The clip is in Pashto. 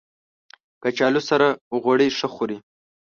کچالو سره غوړي ښه خوري